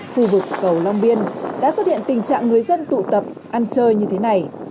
khu vực cầu long biên đã xuất hiện tình trạng người dân tụ tập ăn chơi như thế này